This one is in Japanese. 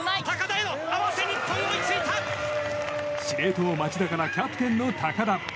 司令塔・町田からキャプテンの高田。